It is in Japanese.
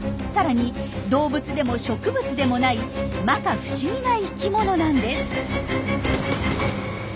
さらに動物でも植物でもないまか不思議な生きものなんです。